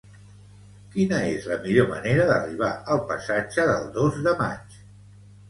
Quina és la millor manera d'arribar al passatge del Dos de Maig?